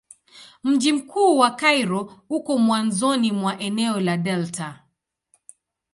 Mji mkuu wa Kairo uko mwanzoni mwa eneo la delta.